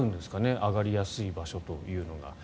上がりやすい場所というのが。